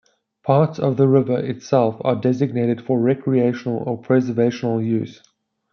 Parts of the river itself are designated for recreational or preservational use.